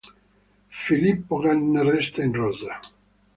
Filippo Ganna resta in rosa.